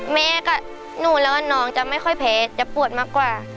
แม่กับหนูแล้วว่าน้องจะไม่ค่อยแพ้จะปวดมากกว่า